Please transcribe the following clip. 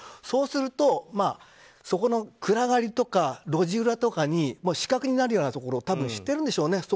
そうするとそこの暗がりとか路地裏とか死角になるようなところを多分知ってるんでしょうね。